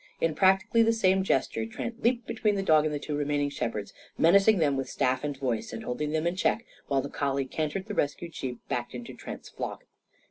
In practically the same gesture, Trent leaped between his dog and the two remaining shepherds, menacing them with staff and voice, and holding them in check while the collie cantered the rescued sheep back into Trent's flock.